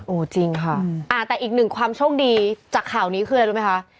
จริงค่ะแต่อีกหนึ่งความโชคดีจากข่าวนี้คืออะไรรู้ไหมคะ